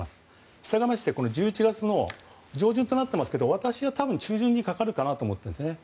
したがって１１月の上旬となっていますが私は中旬にかかるかなと思っています。